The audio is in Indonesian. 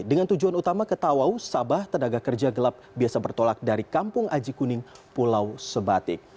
dengan tujuan utama ke tawau sabah tenaga kerja gelap biasa bertolak dari kampung aji kuning pulau sebatik